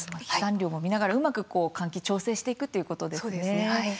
飛散量も見ながらうまく換気調整していくということですね。